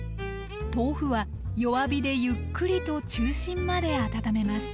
豆腐は弱火でゆっくりと中心まで温めます。